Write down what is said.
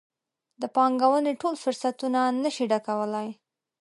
د پانګونې ټول فرصتونه نه شي ډکولی.